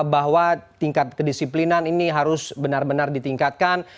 bahwa tingkat kedisiplinan ini harus benar benar ditingkatkan